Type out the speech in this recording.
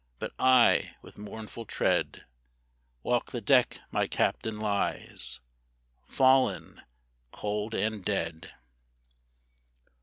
But I with mournful tread, Walk the deck my Captain lies, Fallen cold and dead.